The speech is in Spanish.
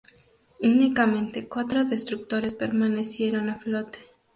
Únicamente cuatro destructores permanecieron a flote.